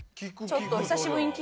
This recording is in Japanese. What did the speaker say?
ちょっと久しぶりに聴いとく？